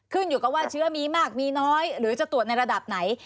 ขึ้นอยู่กับว่าเชื้อมีมากมีน้อยหรือจะตรวจในระดับไหน